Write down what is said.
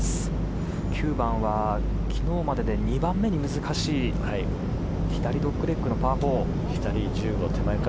９番は昨日までで２番目に難しい左ドッグレッグのパー４。